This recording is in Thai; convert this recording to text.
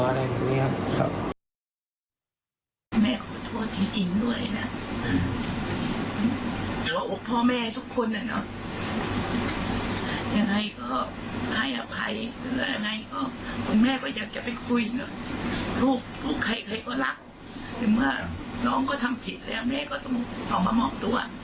อะไรถึงว่าน้องก็ทำผิดแล้วแม่ก็ต้องออกมามองตัว